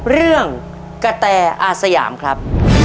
เรื่องกะแตอาสยามครับ